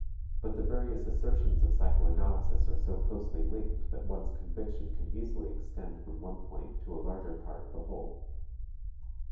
But the various assertions of psychoanalysis are so closely linked that one's conviction can easily extend from one point to a larger part of the whole.